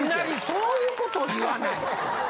そういうことを言わないと！